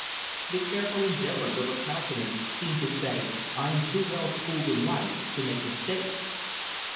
The careful indifference of her countenance seemed to say, "I am too well schooled in life to make mistakes."